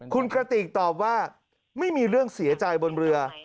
คุณกระติกตอบว่าไม่มีเรื่องเสียใจบนเรือ